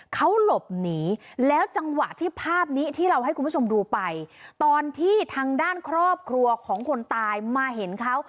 เขาหลบหนีแล้วจังหวะที่ภาพนี้ที่เราให้คุณผู้ชมดูไปตอนที่ทางด้านครอบครัวของคนตายมาเห็นเขา